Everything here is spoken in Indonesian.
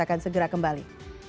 akan segera kembali